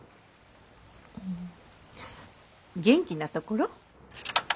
ん元気なところ？